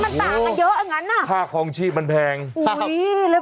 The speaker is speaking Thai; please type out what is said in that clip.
ให้เยอะจังจุดุล๋มอย่างนั้น